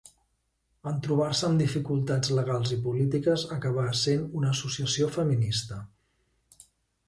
En trobar-se amb dificultats legals i polítiques acabà essent una associació feminista.